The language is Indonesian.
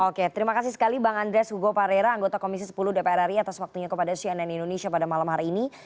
oke terima kasih sekali bang andreas hugo parera anggota komisi sepuluh dpr ri atas waktunya kepada cnn indonesia pada malam hari ini